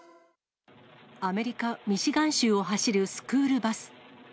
アメリカ・ミシガン州を走るスクールバス。